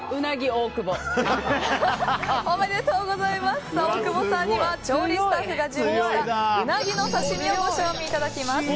大久保さんには調理スタッフが準備したうなぎの刺身をご賞味いただきます。